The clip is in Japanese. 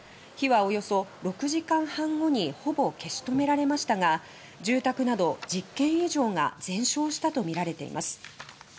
火はおよそ６時間半後にほぼ消し止められましたが住宅など１０軒以上が全焼したとみられています。